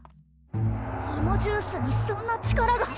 あのジュースにそんな力が！？